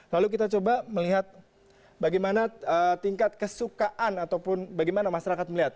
lalu kita coba melihat bagaimana tingkat kesukaan ataupun bagaimana masyarakat melihat